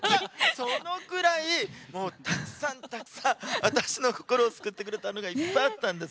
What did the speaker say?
そのくらい、たくさんたくさん私の心を救ってくれたのがいっぱいあったんです！